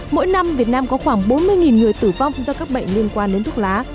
mỗi năm việt nam có khoảng bốn mươi người tử vong do các bệnh liên quan đến thuốc lá